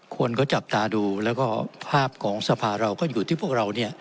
คนก็จับตาดูแล้วก็ภาพของสภาเราก็อยู่ที่พวกเรา